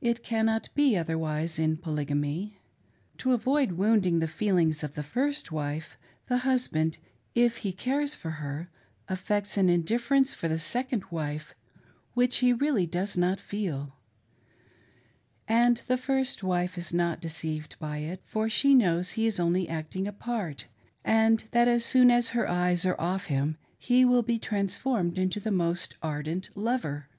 It cannot be otherwise in Polygamy. To avoid wounding the feelings of the first wife, the husband, if he cares for her, affects an indifference for the second wife which he does not really feel ; and the first wife is not deceived by it, for she knows he is only acting a part, and that as soon as her eyes are off him he will be transformed into the most ardent lover.